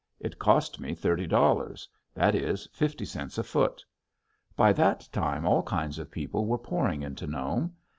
It cost me thirty dollars; that is, fifty cents a foot. By that time all kinds of people were pouring into Nome.